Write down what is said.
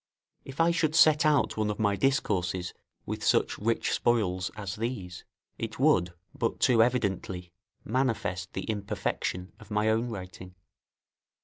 If I should set out one of my discourses with such rich spoils as these, it would but too evidently manifest the imperfection of my own writing.